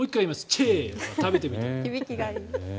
チェーを食べてみたい。